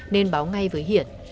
nên báo ngay với hiển